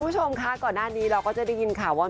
คุณผู้ชมคะก่อนหน้านี้เราก็จะได้ยินข่าวว่า